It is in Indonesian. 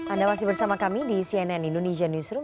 anda masih bersama kami di cnn indonesia newsroom